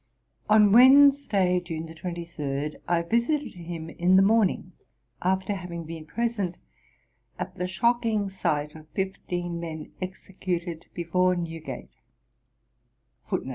On Wednesday, June 23, I visited him in the morning, after having been present at the shocking sight of fifteen men executed before Newgate.